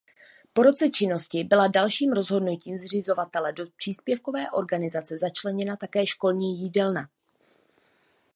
Po roce činnosti byla dalším rozhodnutím zřizovatele do příspěvkové organizace začleněna také školní jídelna.